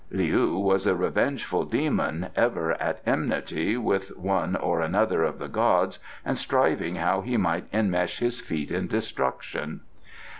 Leou was a revengeful demon, ever at enmity with one or another of the gods and striving how he might enmesh his feet in destruction.